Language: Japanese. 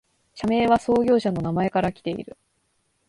社名は創業者の名前からきている